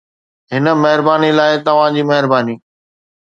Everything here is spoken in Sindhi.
هن مهرباني لاء توهان جي مهرباني